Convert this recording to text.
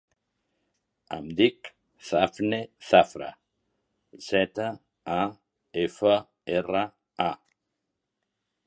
Em dic Dafne Zafra: zeta, a, efa, erra, a.